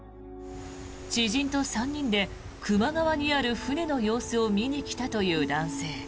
知人と３人で球磨川にある船の様子を見に来たという男性。